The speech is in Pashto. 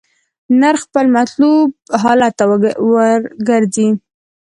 نرخ خپل مطلوب حالت ته ورګرځي.